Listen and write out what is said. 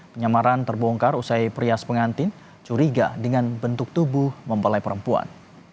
penyamaran terbongkar usai prias pengantin curiga dengan bentuk tubuh mempelai perempuan